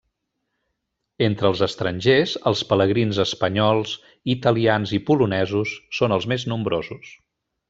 Entre els estrangers, els pelegrins espanyols, italians i polonesos són els més nombrosos.